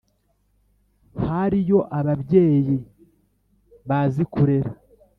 Hariyo ababyeyi bazi kurera